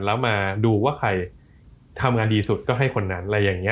แล้วมาดูว่าใครทำงานดีสุดก็ให้คนนั้น